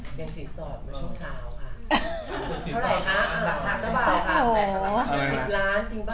มีเกณฑศีรซอดเมื่อเช้าจริงแล้ว